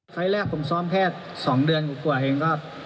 ไฟล์แรกผมซ้อมแค่๒เดือนกว่าเองก็